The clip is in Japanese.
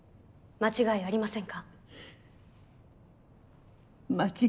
間違いありません。